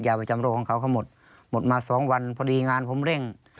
ประจำโรงของเขาเขาหมดหมดมาสองวันพอดีงานผมเร่ง